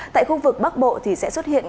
tại khu vực bắc bộ thì sẽ xuất hiện